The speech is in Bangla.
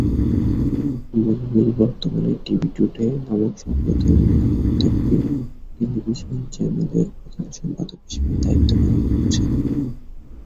বুলবুল বর্তমানে ‘টিভি টুডে’ নামক সম্প্রতি অনুমতিপ্রাপ্ত একটি টেলিভিশন চ্যানেলের প্রধান সম্পাদক হিসেবে দায়িত্ব পালন করছেন।